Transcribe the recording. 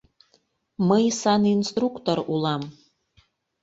Мый санинструктор улам!